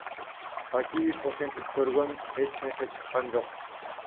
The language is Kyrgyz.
Бакиев ошентип көргөн, эч нерсе чыккан жок.